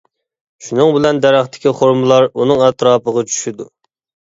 شۇنىڭ بىلەن دەرەختىكى خورمىلار ئۇنىڭ ئەتراپىغا چۈشىدۇ.